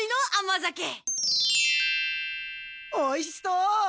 おいしそう！